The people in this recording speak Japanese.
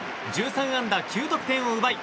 １３安打９得点を奪い